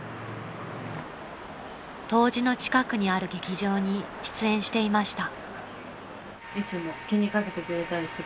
［東寺の近くにある劇場に出演していました］